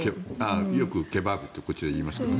よくケバブってこっちではいいますけどね。